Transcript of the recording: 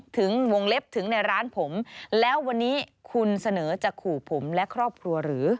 ถึงวงเล็บถึงในร้านผมแล้ววันนี้คุณเสนอจะขู่ผมและครอบครัวหรือ